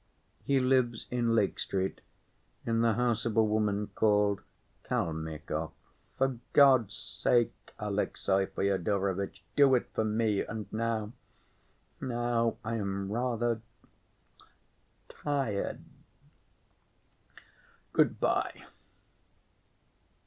He lives in Lake Street, in the house of a woman called Kalmikov.... For God's sake, Alexey Fyodorovitch, do it for me, and now ... now I am rather ... tired. Good‐ by!"